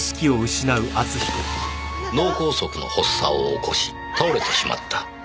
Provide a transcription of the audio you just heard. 脳梗塞の発作を起こし倒れてしまった。